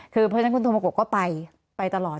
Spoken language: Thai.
คือเพราะฉะนั้นคุณโทโมโกะก็ไปตลอด